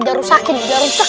darusak sekali juga biar enak